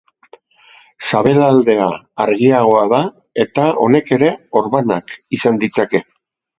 Sabelaldea argiagoa da eta honek ere orbanak izan ditzake.